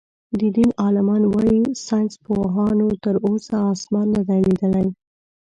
د دين عالمان وايي ساينسپوهانو تر اوسه آسمان نۀ دئ ليدلی.